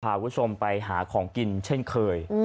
พาคุณผู้ชมไปหาของกินเช่นเคย